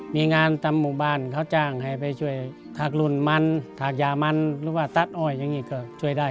มีงานทำบมูลบ้านเค้าจ้างให้ไปช่วย